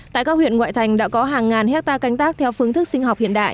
tại các huyện ngoại thành đã có hàng ngàn hectare canh tác theo phương thức sinh học hiện đại